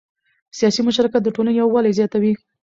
سیاسي مشارکت د ټولنې یووالی زیاتوي